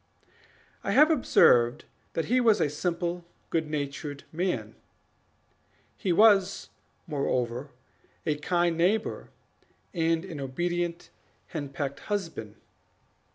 I have observed that he was a simple, good natured man; he was, moreover, a kind neighbor, and an obedient henpecked husband.